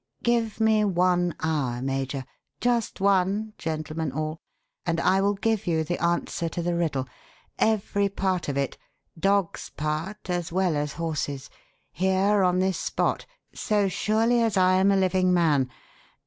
Give me one hour, Major just one, gentlemen, all and I will give you the answer to the riddle every part of it: dog's part as well as horse's here on this spot, so surely as I am a living man.